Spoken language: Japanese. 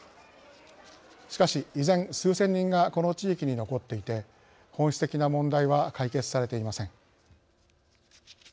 しかし、依然、数千人がこの地域に残っていて本質的な問題は解決されていません。